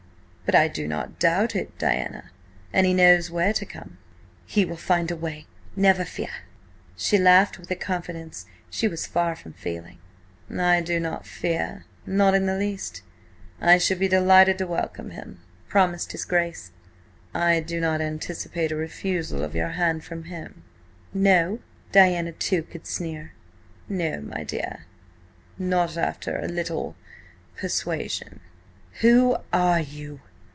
But I do not doubt it, Diana, an he knows where to come." "He will find a way, never fear!" She laughed with a confidence she was far from feeling. "I do not fear–not in the least–I shall be delighted to welcome him," promised his Grace. "I do not anticipate a refusal of your hand from him." "No?" Diana, too, could sneer. "No, my dear. Not after a little–persuasion." "Who are you?"